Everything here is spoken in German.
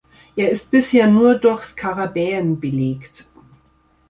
Er ist bisher nur durch Skarabäen belegt.